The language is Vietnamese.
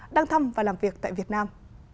đang thăm và làm việc tại việt nam